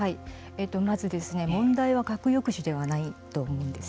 まず問題は核抑止ではないと思うんです。